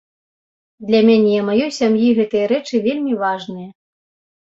Для мяне, маёй сям'і гэтыя рэчы вельмі важныя.